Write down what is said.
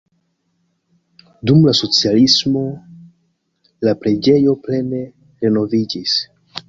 Dum la socialismo la preĝejo plene renoviĝis.